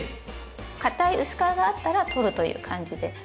固い薄皮があったら取るという感じで。